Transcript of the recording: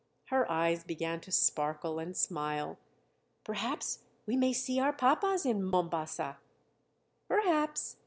Her eyes began to sparkle and smile: "Perhaps we may see our papas in Mombasa." "Perhaps.